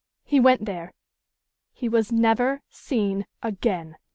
He went there! He was never seen again!"